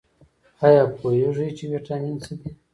ایا پوهیږئ چې ویټامین څه دي؟